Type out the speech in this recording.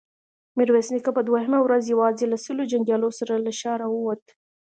ميرويس نيکه په دوهمه ورځ يواځې له سلو جنګياليو سره له ښاره ووت.